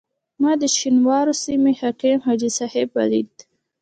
ما د شینوارو سیمې حکیم حاجي صاحب ولیدی.